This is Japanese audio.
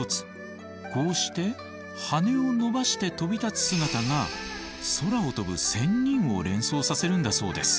こうして羽を伸ばして飛び立つ姿が空を飛ぶ仙人を連想させるんだそうです。